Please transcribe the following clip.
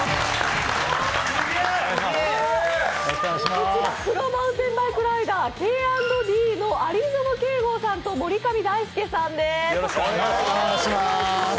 こちら、プロマウンテンバイクライダー、Ｋ＆Ｄの有薗啓剛さんと守上大輔さんです。